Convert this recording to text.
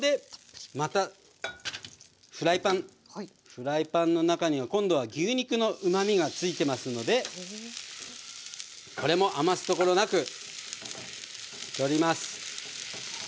フライパンの中には今度は牛肉のうまみが付いてますのでこれも余すところなく取ります。